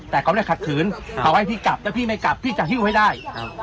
แต่เขาไม่ได้ขัดขืนเขาให้พี่กลับถ้าพี่ไม่กลับพี่จะหิ้วให้ได้